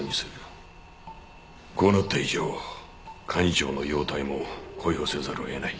こうなった以上幹事長の容体も公表せざるをえない。